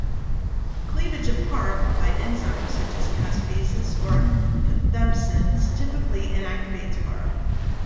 Cleavage of Parp, by enzymes such as caspases or cathepsins, typically inactivates Parp.